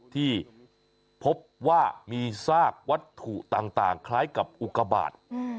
ที่พบว่ามีซากวัตถุต่างคล้ายกับอุกบาท